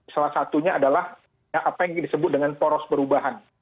salah satunya adalah apa yang disebut dengan poros perubahan